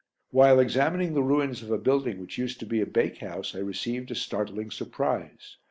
While examining the ruins of a building which used to be a bakehouse I received a startling surprise.